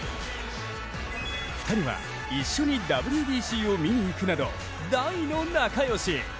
２人は一緒にＷＢＣを見に行くなど大の仲よし。